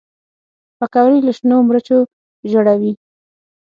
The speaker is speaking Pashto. پکورې له شنو مرچو ژړوي